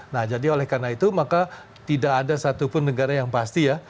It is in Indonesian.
nah jadi oleh karena itu maka tidak ada satupun negara yang pasti ya